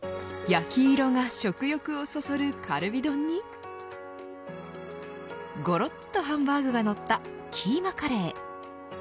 焼き色が食欲をそそるカルビ丼にごろっとハンバーグがのったキーマカレー。